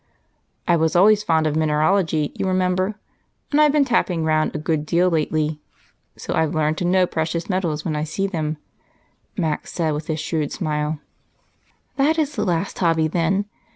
"I was always fond of mineralogy you remember, and I've been tapping round a good deal lately, so I've learned to know precious metals when I see them," Mac said with his shrewd smile. "That is the latest hobby, then?